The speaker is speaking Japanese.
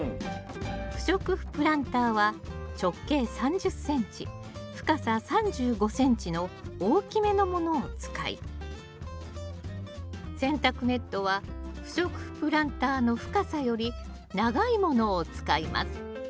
不織布プランターは直径３０ｃｍ深さ３５ｃｍの大きめのものを使い洗濯ネットは不織布プランターの深さより長いものを使います